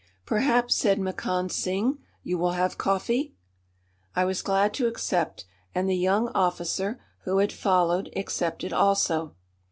"Perhaps," said Makand Singh, "you will have coffee?" I was glad to accept, and the young officer, who had followed, accepted also.